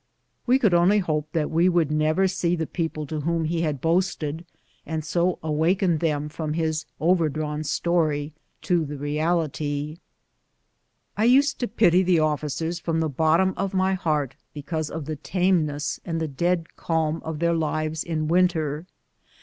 We could only hope that we would never see the people to whom he had boasted, and so awaken them from his overdrawn story to the reality. I used to pity the officers from the bottom of my 10 218 BOOTS AND SADDLES. heart because of the tameness and dead cahn of their lives ill winter.